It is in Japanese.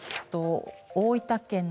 大分県